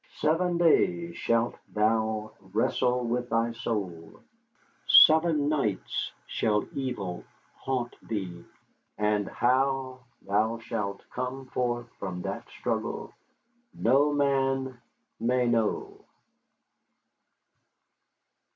Seven days shalt thou wrestle with thy soul; seven nights shall evil haunt thee, and how thou shalt come forth from that struggle no man may know.